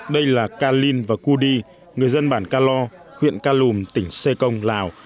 đây là ca linh và cu di người dân bản ca lo huyện ca lùm tỉnh sê công lào